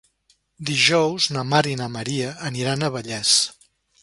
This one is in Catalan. Dijous na Mar i na Maria aniran a Vallés.